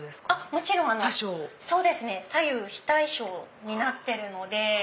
もちろん左右非対称になってるので。